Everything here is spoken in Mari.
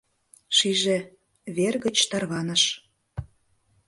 Шиже: вер гыч тарваныш.